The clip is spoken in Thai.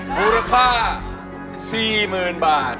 มูลค่าสี่หมื่นบาท